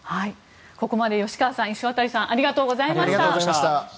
ここまで吉川さん、石渡さんありがとうございました。